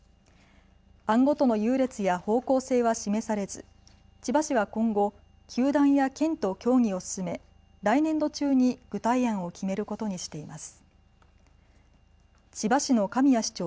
案ごとの優劣や方向性は示されず千葉市は今後、球団や県と協議を進め来年度中に具体案を決めることにしています。